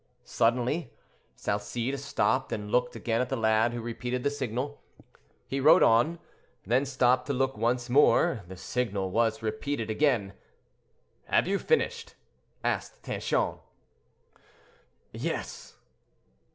Suddenly Salcede stopped and looked again at the lad, who repeated the signal. He wrote on, then stopped to look once more; the signal was again repeated. "Have you finished?" asked Tanchon. "Yes."